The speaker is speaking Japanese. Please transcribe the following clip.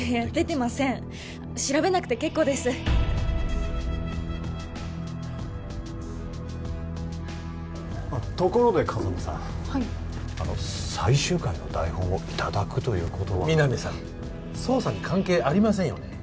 出てません調べなくて結構ですところで風間さんはいあの最終回の台本をいただくということは皆実さん捜査に関係ありませんよね？